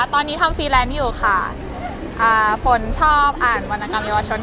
ตอนนี้ทำฟรีแลนซ์อยู่ค่ะอ่าฝนชอบอ่านวรรณกรรมเยาวชน